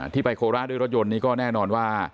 ที่ไปโคราชด้วยรถยนต์นี้ก็แน่นอนว่า